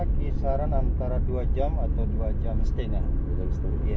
kisaran antara dua jam atau dua jam setengah